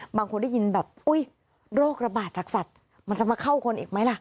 บางคนได้ยินแบบอุ๊ยโรคระบาดจากสัตว์มันจะมาเข้าคนอีกไหมล่ะ